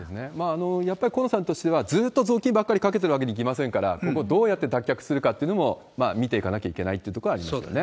やっぱり河野さんとしては、ずーっと雑巾ばかりかけてるわけにはいきませんから、ここ、どうやって脱却するかというのも、見ていかなきゃいけないってところはありますよね。